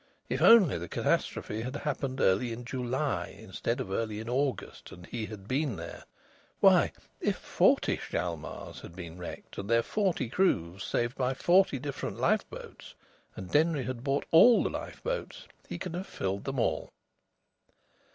If only the catastrophe had happened early in July, instead of early in August, and he had been there. Why, if forty Hjalmars had been wrecked, and their forty crews saved by forty different lifeboats, and Denry had bought all the lifeboats, he could have filled them all!